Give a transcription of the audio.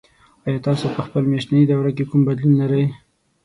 ایا تاسو په خپل میاشتني دوره کې کوم بدلون لرئ؟